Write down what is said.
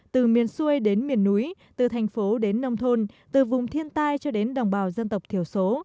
từ miền xuôi đến miền núi từ thành phố đến nông thôn từ vùng thiên tai cho đến đồng bào dân tộc thiểu số